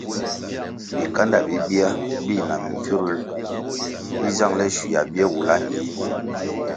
Bikándá bibia bi na mimbviruer bi zangele schuia bie wula ñie.